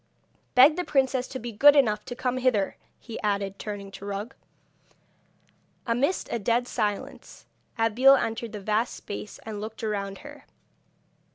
Beg the princess to be good enough to come hither,' he added, turning to Rug. Amidst a dead silence Abeille entered the vast space and looked around her.